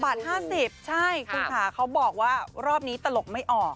ใช่คุณค่ะเขาบอกว่ารอบนี้ตลกไม่ออก